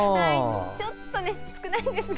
ちょっと少ないんですが。